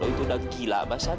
lo itu udah gila apa sat